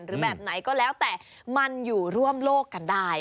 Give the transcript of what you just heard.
หรือแบบไหนก็แล้วแต่มันอยู่ร่วมโลกกันได้